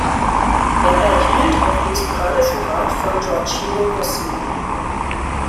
Er erhielt auch musikalischen Rat von Gioachino Rossini.